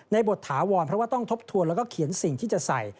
บทถาวรเพราะว่าต้องทบทวนแล้วก็เขียนสิ่งที่จะใส่